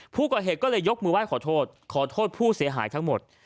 ผู้ก่อเหตุก็เลยยกมือไห้ขอโทษขอโทษผู้เสียหายทั้งหมด